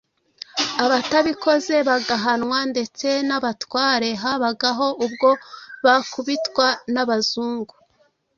Abatabikoze bagahanwa; ndetse n'abatware habagaho ubwo bakubitwa n'Abazungu.